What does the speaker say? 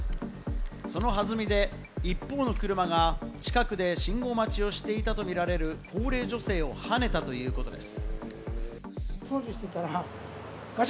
そのはずみで、一方の車が近くで信号待ちをしていたとみられる高齢女性をはねたということです。